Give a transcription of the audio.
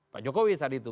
pak jokowi saat itu